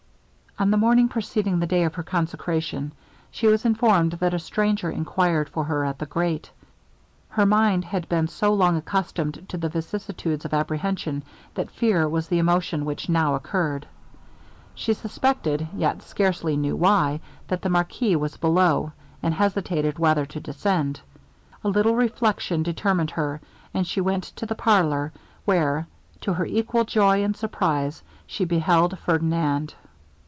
On the morning preceding the day of her consecration, she was informed that a stranger enquired for her at the grate. Her mind had been so long accustomed to the vicissitudes of apprehension, that fear was the emotion which now occurred; she suspected, yet scarcely knew why, that the marquis was below, and hesitated whether to descend. A little reflection determined her, and she went to the parlour where, to her equal joy and surprise, she beheld Ferdinand!